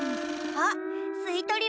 あっすいとり